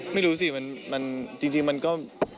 ไม่รู้สิมันจริงมันก็